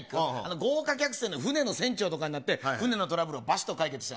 豪華客船の船の船長とかになって、船のトラブルをばしっと解決したい。